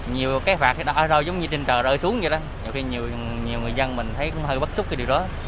nhiều cái phạt ơ giống như trên tờ rơi xuống vậy đó nhiều khi nhiều người dân mình thấy cũng hơi bất xúc cái điều đó